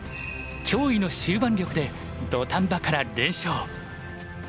驚異の終盤力で土壇場から連勝。